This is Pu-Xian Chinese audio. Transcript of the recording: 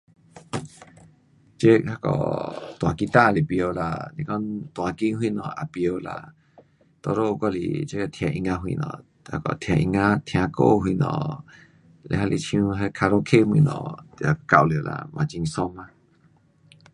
这那个弹 guitar 是甭晓啦，是讲弹琴什么也甭晓啦，多数我是这听音乐什么，那个听音乐听歌什么，嘞还是听 karaoke 什么也够了啦，嘛很爽嘛。